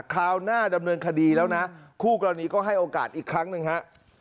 คราวหน้าดำเนินคดีแล้วนะคู่กรณีก็ให้โอกาสอีกครั้งหนึ่งฮะ